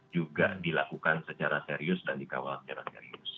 juga dilakukan secara serius dan dikawal secara serius